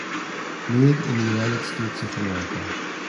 Made in the United States of America.